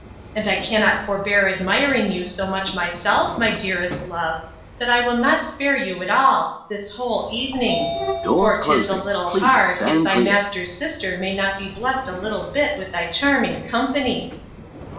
And I cannot forbear admiring you so much myself, my dearest love, that I will not spare you at all, this whole evening: For 'tis a little hard, if thy master's sister may not be blest a little bit with thy charming company.